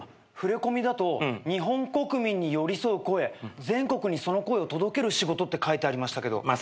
触れ込みだと日本国民に寄り添う声全国にその声を届ける仕事って書いてありましたけど。